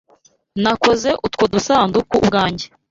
Nakoze utwo dusanduku ubwanjye.